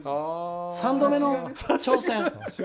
３度目の挑戦！